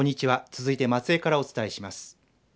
続いて、松江からお伝えします。